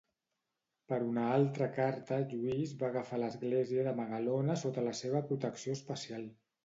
Per una altra carta Lluís va agafar l'església de Magalona sota la seva protecció especial.